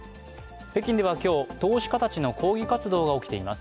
北京では今日、投資家たちの抗議活動が起きています。